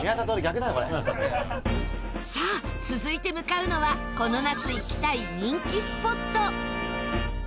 さあ続いて向かうのはこの夏行きたい人気スポット。